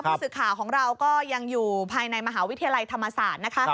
ผู้สื่อข่าวของเราก็ยังอยู่ภายในมหาวิทยาลัยธรรมศาสตร์นะคะ